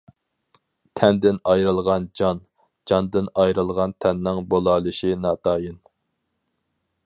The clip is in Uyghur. تەندىن ئايرىلغان جان، جاندىن ئايرىلغان تەننىڭ بولالىشى ناتايىن.